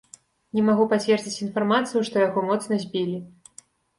Не магу пацвердзіць інфармацыю, што яго моцна збілі.